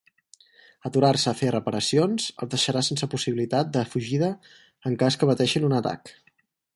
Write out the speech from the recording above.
Aturar-se a fer reparacions, els deixarà sense possibilitat de fugida en cas que pateixin un atac.